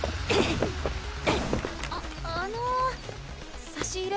ああのさし入れ